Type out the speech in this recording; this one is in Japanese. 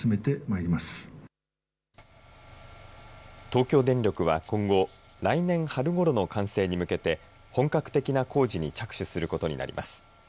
東京電力は今後来年春ごろの完成に向けて本格的な工事に着手することになります。